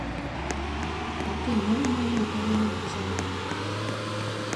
— А тый мом мыйын пеленем пижынат?